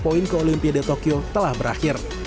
poin ke olimpia de tokyo telah berakhir